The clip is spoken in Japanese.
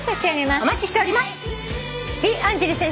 お待ちしております。